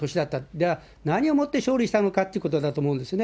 じゃあ何をもって勝利したのかということだと思うんですね。